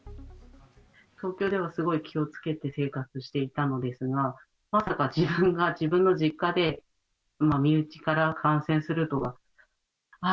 東京ではすごい気をつけて生活していたのですが、まさか自分が自分の実家で、身内から感染するとは。